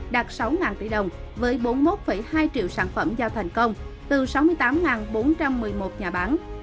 đạt sáu tỷ đồng với bốn mươi một hai triệu sản phẩm giao thành công từ sáu mươi tám bốn trăm một mươi một nhà bán